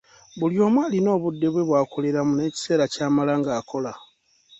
Buli omu alina obudde bwe bw'akoleramu n'ekiseera ky'amala ng'akola.